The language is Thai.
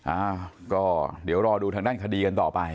อ้าวก็เดี๋ยวรอดูทางด้านคดีกันต่อไป